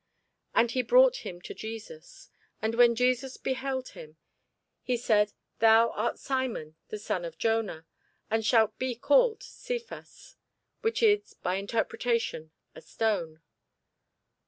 And he brought him to Jesus. And when Jesus beheld him, he said, Thou art Simon the son of Jona: thou shalt be called Cephas, which is by interpretation, A stone.